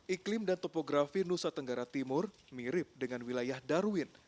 iklim dan topografi nusa tenggara timur mirip dengan wilayah darwin